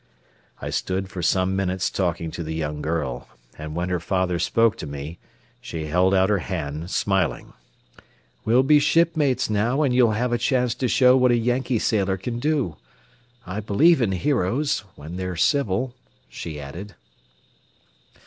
I stood for some minutes talking to the young girl, and when her father spoke to me she held out her hand, smiling. "We'll be shipmates now and you'll have a chance to show what a Yankee sailor can do. I believe in heroes when they're civil," she added.